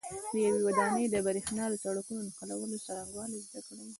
د یوې ودانۍ د برېښنا د سرکټونو د نښلولو څرنګوالي زده کړئ.